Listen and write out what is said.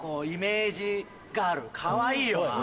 かわいいよな。